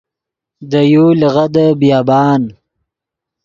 دے یو لیغدے بیابان